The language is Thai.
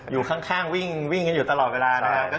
อยู่ข้างวิ่งกันอยู่ตลอดเวลานะครับ